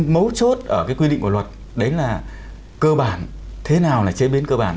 mấu chốt ở quy định của luật là cơ bản thế nào là chế biến cơ bản